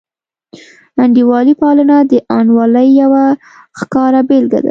انډیوالي پالنه د ناانډولۍ یوه ښکاره بېلګه ده.